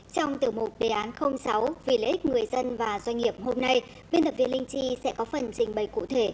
trong tiểu mục đề án sáu vì lợi ích người dân và doanh nghiệp hôm nay biên tập viên linh chi sẽ có phần trình bày cụ thể